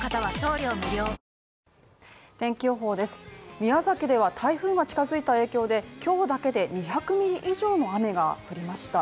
宮崎では台風が近づいた影響で今日だけで２００ミリ以上の雨が降りました。